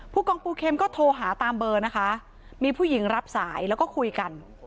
ผู้กองปูเข็มก็โทรหาตามเบอร์นะคะมีผู้หญิงรับสายแล้วก็คุยกัน